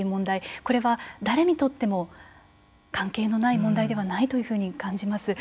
これは誰にとっても関係のない問題ではないというふうに感じます。